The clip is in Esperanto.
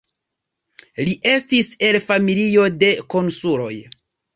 Li estis el familio de konsuloj.